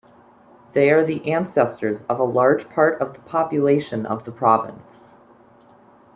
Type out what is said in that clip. They are the ancestors of a large part of the population of the province.